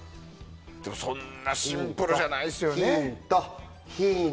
そんなシンプルじゃないですよね。